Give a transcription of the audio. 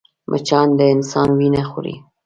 مچان د انسان وينه خوري